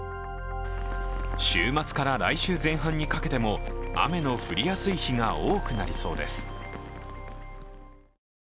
週末から来週前半にかけても雨の降りやすい日が多くなりそうです。